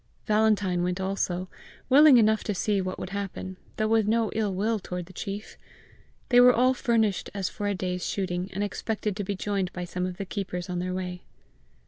Valentine went also, willing enough to see what would happen, though with no ill will toward the chief. They were all furnished as for a day's shooting, and expected to be joined by some of the keepers on their way.